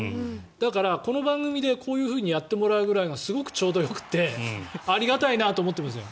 だから、この番組でこういうふうにやってもらうくらいがすごくちょうどよくてありがたいなと思ってますよ